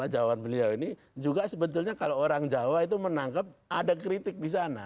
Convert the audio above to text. jawaban beliau ini juga sebetulnya kalau orang jawa itu menangkap ada kritik di sana